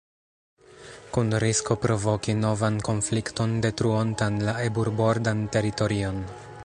Kun risko provoki novan konflikton detruontan la eburbordan teritorion.